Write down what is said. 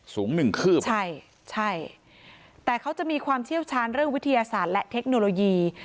สูงหนึ่งคืบใช่ใช่แต่เขาจะมีความเชี่ยวชาญเรื่องวิทยาศาสตร์และเทคโนโลยี